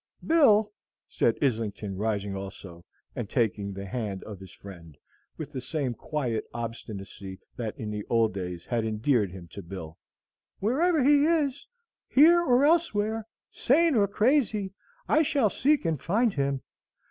"Bill," said Islington, rising also, and taking the hand of his friend, with the same quiet obstinacy that in the old days had endeared him to Bill, "wherever he is, here or elsewhere, sane or crazy, I shall seek and find him.